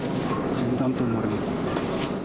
銃弾と思われます。